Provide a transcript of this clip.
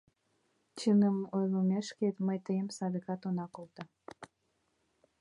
— Чыным ойлымешкет ме тыйым садак огына колто.